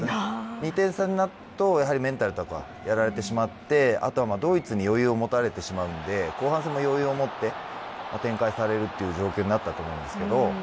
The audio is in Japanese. ２点差になるとメンタルがやられてしまってあとはドイツに余裕を持たれてしまうので後半戦も余裕を持って展開される状況になっていたと思います。